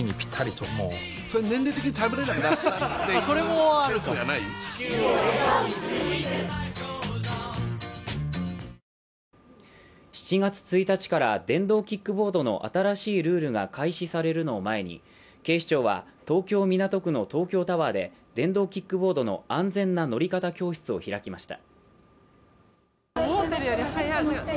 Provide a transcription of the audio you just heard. おいしさプラス７月１日から電動キックボードの新しいルールが開始されるのを前に警視庁は東京・港区の東京タワーで電動キックボードの安全な乗り方教室を開きました。